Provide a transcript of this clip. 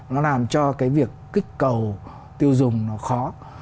nó làm cho cái việc kích cầu tiêu dùng nó khó